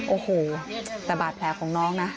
โอ้โหแต่บาดแผลของน้องนะ